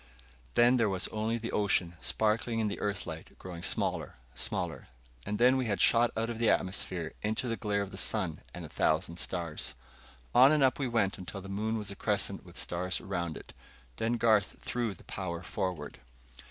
Then there was only the ocean, sparkling in the Earth light, growing smaller, smaller. And then we had shot out of the atmosphere into the glare of the sun and a thousand stars. On and up we went, until the moon was a crescent with stars around it. Then Garth threw the power forward.